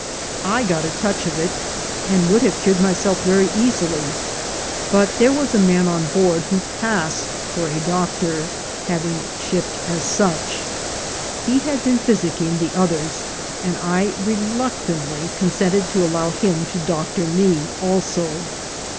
I got a touch of it, and could have cured myself very easily, but there was a man on board who passed for a doctor, having shipped as such: he had been physicking the others, and I reluctantly consented to allow him to doctor me also.